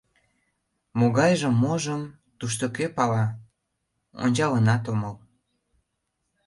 — Могайжым-можым тушто кӧ пала, ончалынат омыл.